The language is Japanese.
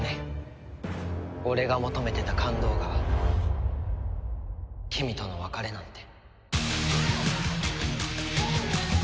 俺が求めてた感動が君との別れなんて。